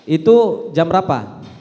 itu jam berapa